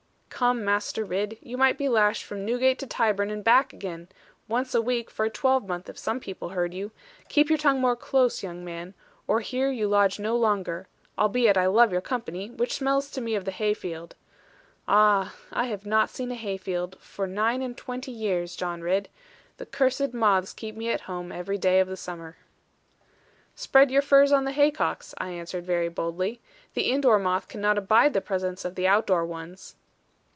'Come, Master Ridd, you might be lashed from New gate to Tyburn and back again, once a week, for a twelvemonth, if some people heard you. Keep your tongue more close, young man; or here you lodge no longer; albeit I love your company, which smells to me of the hayfield. Ah, I have not seen a hayfield for nine and twenty years, John Ridd. The cursed moths keep me at home, every day of the summer.' 'Spread your furs on the haycocks,' I answered very boldly: 'the indoor moth cannot abide the presence of the outdoor ones.'